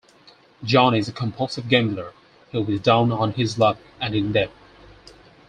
Johnny is a compulsive gambler who is down on his luck and in debt.